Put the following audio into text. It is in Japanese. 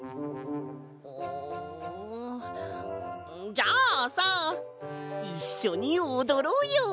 じゃあさいっしょにおどろうよ！